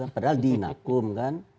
padahal dinakum kan